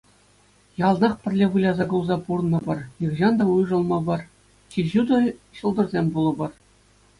Яланах пӗрле выляса-кулса пурӑнӑпӑр, нихӑҫан та уйрӑлмӑпӑр, чи ҫутӑ ҫӑлтӑрсем пулӑпӑр.